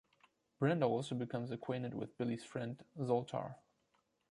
Brenda also becomes acquainted with Billy's friend, Zoltar.